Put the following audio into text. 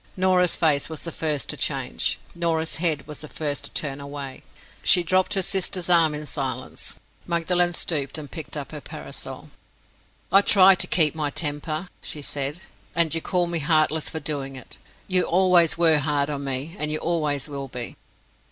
Norah's face was the first to change; Norah's head was the first to turn away. She dropped her sister's arm in silence. Magdalen stooped and picked up her parasol. "I try to keep my temper," she said, "and you call me heartless for doing it. You always were hard on me, and you always will be."